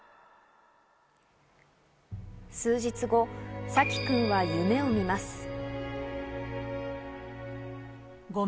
数日後、さき君は夢を見ます。